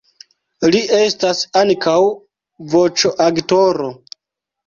Li estas ankaŭ voĉoaktoro.